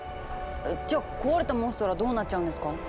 じゃ壊れたモンストロはどうなっちゃうんですか？